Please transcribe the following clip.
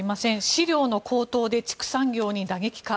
飼料の高騰で畜産業に打撃か。